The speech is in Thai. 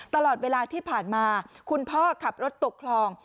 ตลอดเวลาที่ผ่านมาคุณพ่อขับรถตกคลอง